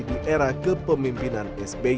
di era kepemimpinan sbi